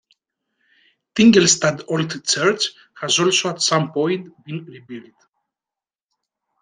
Tingelstad old church has also at some point been rebuilt.